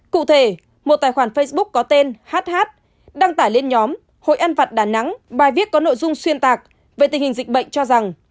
cụ thể một tài khoản facebook có tên h đăng tải lên nhóm hội ăn vặt đà nẵng bài viết có nội dung xuyên tạc về tình hình dịch bệnh cho rằng